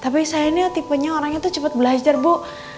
tapi sayangnya tipenya orangnya tuh cepat belajar bu